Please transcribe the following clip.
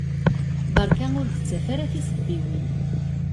Berka ur d-ttaf ara tisebbiwin!